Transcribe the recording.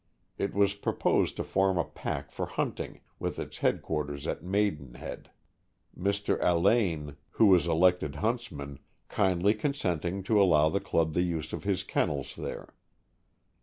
It was proposed to form a pack for hunting, with its headquarters at Maidenhead — Mr. Alleyne, who was elected 212 THE AMERICAN BOOK OF THE DOG. huntsman, kindly consenting to allow the club the use of his kennels there.